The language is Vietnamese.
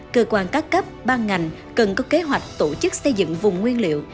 cơ quan các cấp ban ngành cần có kế hoạch tổ chức xây dựng vùng nguyên liệu